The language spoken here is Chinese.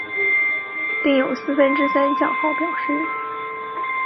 另有四分之三降号表示。